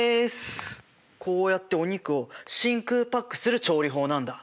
こうやってお肉を真空パックする調理法なんだ。